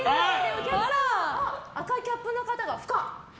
赤いキャップの方が不可。